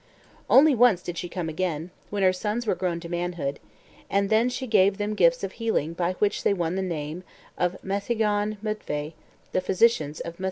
Only once did she come again, when her sons were grown to manhood, and then she gave them gifts of healing by which they won the name of Meddygon Myddvai, the physicians of Myddvai.